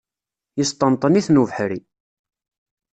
Yesṭenṭen-iten ubeḥri.